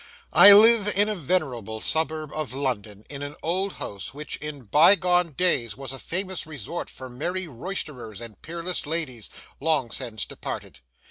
I live in a venerable suburb of London, in an old house which in bygone days was a famous resort for merry roysterers and peerless ladies, long since departed.